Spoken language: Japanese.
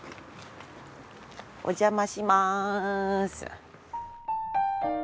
お邪魔します。